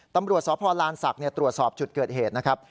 ตำรวจสพลานศักดิ์ตรวจสอบจุดเกิดเหตุนะครับ